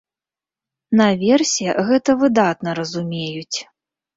Наверсе гэта выдатна разумеюць.